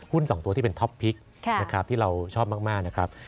๒ตัวที่เป็นท็อปพลิกนะครับที่เราชอบมากนะครับ